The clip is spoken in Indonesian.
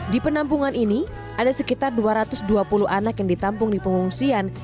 di penampungan ini ada sekitar dua ratus dua puluh anak yang ditampung di pengungsian